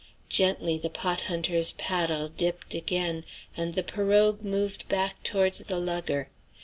Gently the pot hunter's paddle dipped again, and the pirogue moved back towards the lugger.